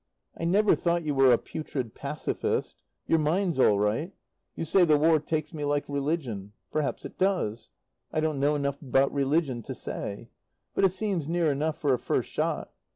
I never thought you were a "putrid Pacifist." Your mind's all right. You say the War takes me like religion; perhaps it does; I don't know enough about religion to say, but it seems near enough for a first shot.